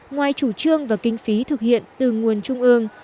ngoài chủ trương và kinh phí thực hiện từ nguồn trung ương